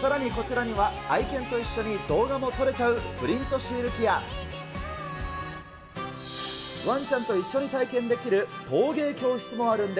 さらにこちらには、愛犬と一緒に動画も撮れちゃうプリントシール機や、ワンちゃんと一緒に体験できる陶芸教室もあるんです。